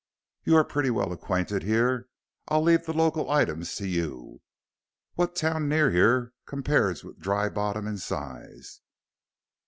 You are pretty well acquainted here I'll leave the local items to you. What town near here compares with Dry Bottom in size?"